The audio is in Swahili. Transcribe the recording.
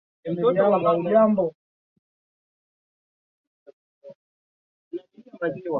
na nchi nzima ilizingatiwa kuwa mali yake